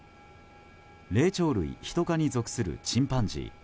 霊長類ヒト科に属するチンパンジー。